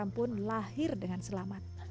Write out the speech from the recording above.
pun lahir dengan selamat